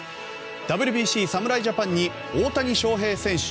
ＷＢＣ侍ジャパンに大谷翔平選手